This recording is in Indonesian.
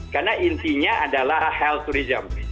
karena intinya adalah health tourism